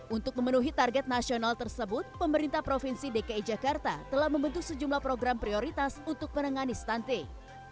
untuk memenuhi target nasional tersebut pemerintah provinsi dki jakarta telah membentuk sejumlah program prioritas untuk menangani stunting